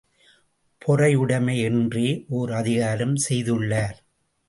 பொறையுடைமை என்றே ஓர் அதிகாரம் செய்துள்ளார்.